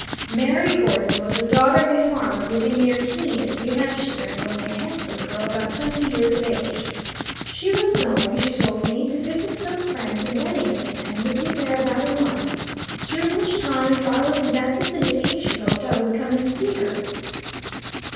Mary Gordon was the daughter of a farmer living near Keene, N. H., and was a handsome girl about twenty years of age. She was going, she told me, to visit some friends in Bennington, and would be there about a month, during which time, if I was in that vicinity, she hoped I would come and see her.